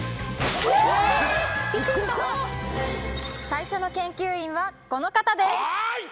最初の研究員はこの方ですはい！